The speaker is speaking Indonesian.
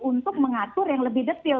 untuk mengatur yang lebih detail